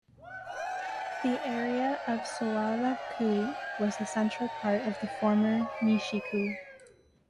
The area of Sawara-ku was the central part of the former Nishi-ku.